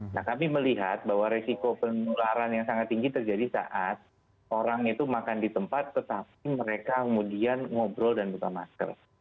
nah kami melihat bahwa resiko penularan yang sangat tinggi terjadi saat orang itu makan di tempat tetapi mereka kemudian ngobrol dan buka masker